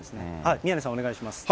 宮根さん、お願いします。